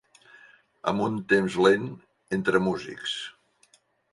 Amb un temps lent, entre músics.